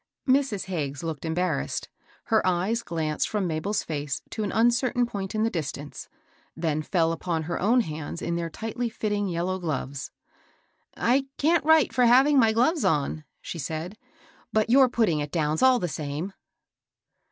Mrs. Hagges looked embarrassed. Her eyes glanced from Mabel's face to an uncertain point in the distance, then fell upon her own hands in their tightly fitting yellow gloves. " I can't write for having my gloves on," she said, " but your putting it down's all the same."